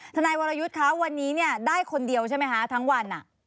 ทนายวรยุทธ์คะวันนี้เนี่ยได้คนเดียวใช่ไหมคะทั้งวัน